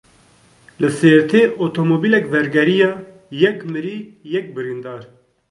Li Sêrtê otomobîlek wergeriya yek mirî, yek birîndar.